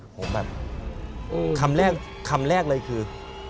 ผมแบบคำแรกเลยคือ